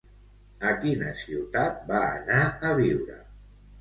A quina ciutat va anar a viure?